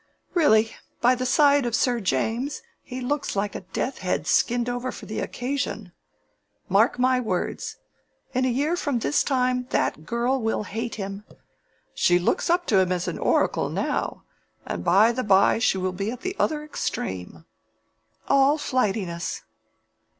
"Really, by the side of Sir James, he looks like a death's head skinned over for the occasion. Mark my words: in a year from this time that girl will hate him. She looks up to him as an oracle now, and by and by she will be at the other extreme. All flightiness!"